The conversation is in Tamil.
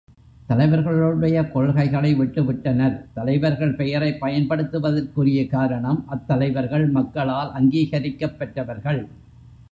தலைவர்களுடைய கொள்கைகளை விட்டு விட்டனர். தலைவர்கள் பெயரைப் பயன்படுத்துவதற்குரிய காரணம் அத்தலைவர்கள் மக்களால் அங்கீகரிக்கப் பெற்றவர்கள்.